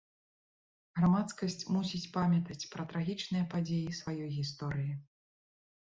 Грамадскасць мусіць памятаць пра трагічныя падзеі сваёй гісторыі.